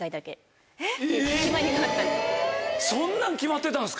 そんなん決まってたんですか？